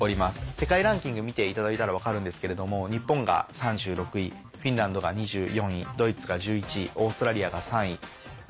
世界ランキング見ていただいたら分かるんですけれども日本が３６位フィンランドが２４位ドイツが１１位オーストラリアが３位。